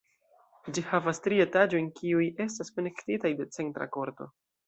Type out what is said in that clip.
Ĝi havas tri etaĝojn, kiuj estas konektitaj de centra korto.